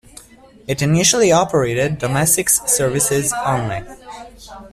It initially operated domestic services only.